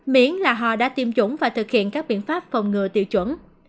miễn là họ đã tiêm chủng và thực hiện các biện pháp phòng ngừa tiêu chuẩn